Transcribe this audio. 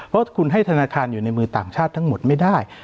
เพราะคุณให้ธนาคารอยู่ในมือต่างชาติทั้งหมดไม่ได้